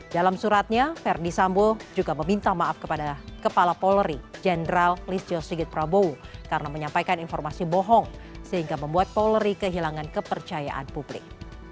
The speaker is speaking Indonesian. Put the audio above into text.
dalam suratnya ferdi sambo juga meminta maaf kepada kepala polri jenderal listio sigit prabowo karena menyampaikan informasi bohong sehingga membuat polri kehilangan kepercayaan publik